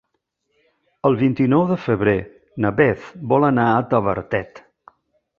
El vint-i-nou de febrer na Beth vol anar a Tavertet.